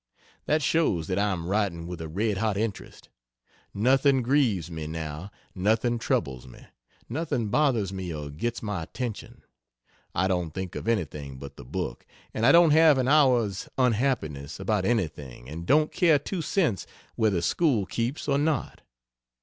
That shows that I am writing with a red hot interest. Nothing grieves me now nothing troubles me, nothing bothers me or gets my attention I don't think of anything but the book, and I don't have an hour's unhappiness about anything and don't care two cents whether school keeps or not.